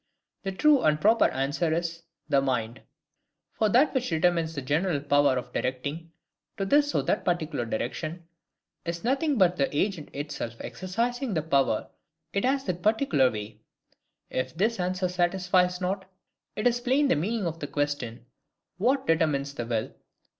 the true and proper answer is, The mind. For that which determines the general power of directing, to this or that particular direction, is nothing but the agent itself exercising the power it has that particular way. If this answer satisfies not, it is plain the meaning of the question, What determines the will?